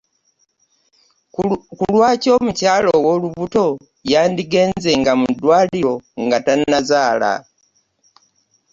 Kulwaki omukyala owo lubuto yandigenzenga mudwaliro nga tanazala?